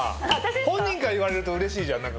本人から言われるとうれしいじゃん何かこう。